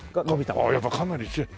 ああやっぱかなり違う。